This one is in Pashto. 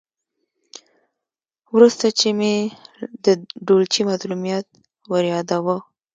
ورسته چې مې د ډولچي مظلومیت وریاداوه.